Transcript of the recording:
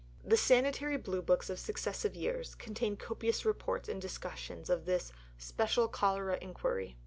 The Sanitary Blue books of successive years contain copious reports and discussions upon this "Special Cholera Inquiry."